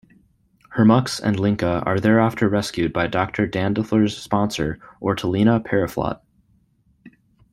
Hermux and Linka are thereafter rescued by Doctor Dandiffer's sponsor, Ortolina Perriflot.